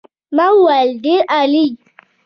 ما وویل ډېر عالي.